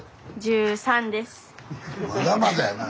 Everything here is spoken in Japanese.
まだまだやな。